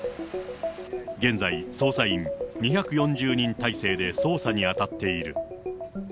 現在、捜査員２４０人態勢で捜査に当たっている。